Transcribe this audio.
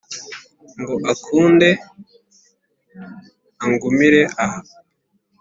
Ngo akunde angumire aho